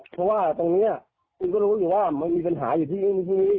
เพราะว่าตรงนี้มันก็รู้อยู่ว่ามันมีปัญหาอยู่ที่นี่